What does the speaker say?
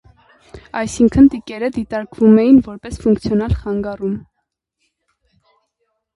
Այսինքն, տիկերը դիտարկվում էին որպես ֆունկցիոնալ խանգարում։